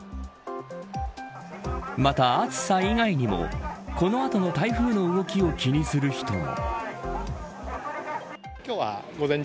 また、暑さ以外にもこの後の台風の動きを気にする人も。